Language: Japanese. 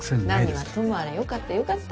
何はともあれよかったよかった。